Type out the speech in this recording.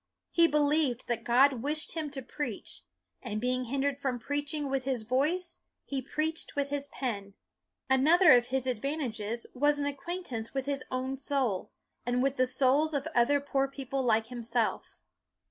He be lieved that God wished him to preach, and being hindered from preaching with his voice, he preached with his pen. Another of his advantages was an acquaintance with his own soul, and with the souls of other poor people like himself.